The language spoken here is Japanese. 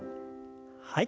はい。